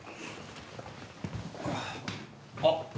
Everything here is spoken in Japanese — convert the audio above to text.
あっ！？